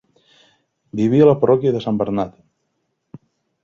Vivia a la parròquia de Sant Bernat.